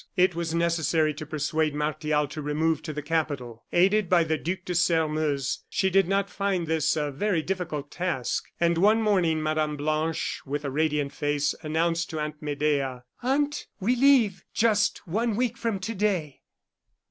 It was necessary to persuade Martial to remove to the capital. Aided by the Duc de Sairmeuse, she did not find this a very difficult task; and one morning, Mme. Blanche, with a radiant face, announced to Aunt Medea: "Aunt, we leave just one week from to day."